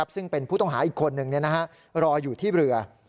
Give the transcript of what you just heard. ซึ่งเป็นผู้ต้องหาอีกคนนึงรออยู่ที่เรือ